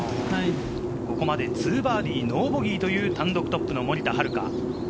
ここまで、２バーディー、ノーボギーという単独トップの森田遥。